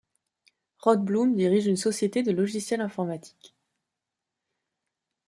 Rod Blum dirige une société de logiciels informatiques.